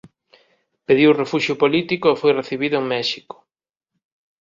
Pediu refuxio político e foi recibido en México.